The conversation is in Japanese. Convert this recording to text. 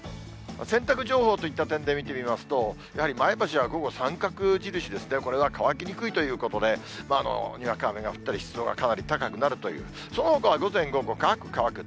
洗濯情報といった点で見てみますと、やはり前橋は午後、三角印ですね、これが乾きにくいということで、にわか雨が降ったり、湿度がかなり高くなるという、そのほかは午前、午後、乾く、乾く。